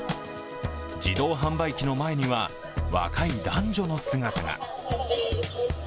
自動販売機の前には若い男女の姿が。